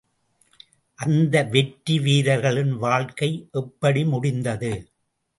அந்த வெற்றி வீரர்களின் வாழ்க்கை எப்படி முடிந்தது?